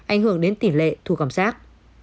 ảnh hưởng đến tỷ lệ thu công sát